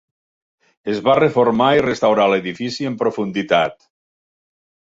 Es va reformar i restaurar l'edifici en profunditat.